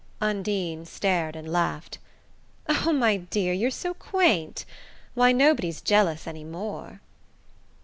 Undine stared and laughed. "Oh, my dear, you're so quaint! Why, nobody's jealous any more."